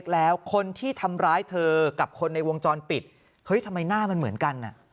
แล้วคนที่ทำร้ายเธอกับคนในวงจรปิดเฮ้ยทำไมหน้ามันเหมือนกัน